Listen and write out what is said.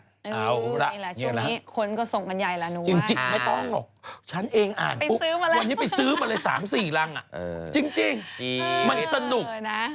ช่วงนี้คนก็ส่งบรรยายละหนูว่าจริงไม่ต้องหรอกฉันเองอ่านปุ๊บวันนี้ไปซื้อมาเลย๓๔รังจริงมันสนุก